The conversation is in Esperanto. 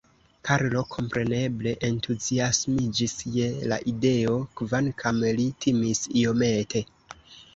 Karlo kompreneble entuziasmiĝis je la ideo, kvankam li timis iomete.